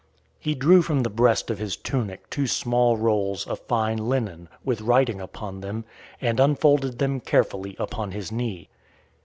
He drew from the breast of his tunic two small rolls of fine linen, with writing upon them, and unfolded them carefully upon his knee.